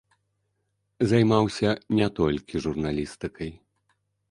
Займаўся не толькі журналістыкай.